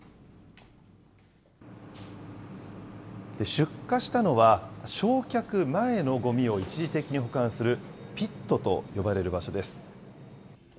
出火したのは、焼却前のごみを一時的に保管するピットと呼ばれる場所です。